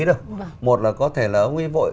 đâu một là có thể là ông ấy